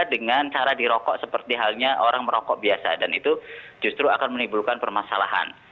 dengan cara dirokok seperti halnya orang merokok biasa dan itu justru akan menimbulkan permasalahan